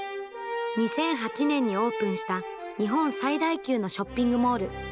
２００８年にオープンした、日本最大級のショッピングモール。